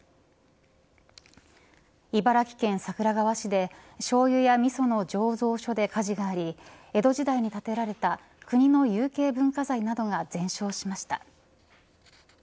茨城県桜川市でしょうゆやみその醸造所で家事があり江戸時代に建てられた国の有形文化財などが全焼しました。